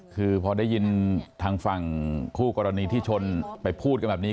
คือพอได้ยินทางฝั่งคู่กรณีที่ชนไปพูดกันแบบนี้